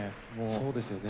そうですよね。